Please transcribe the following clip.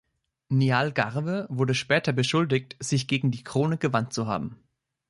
Niall Garve wurde später beschuldigt, sich gegen die Krone gewandt zu haben.